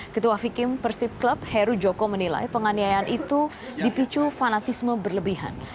ketua vikim persib club heru joko menilai penganiayaan itu dipicu fanatisme berlebihan